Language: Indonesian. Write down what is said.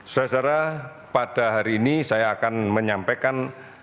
saudara saudara pada hari ini saya akan menyampaikan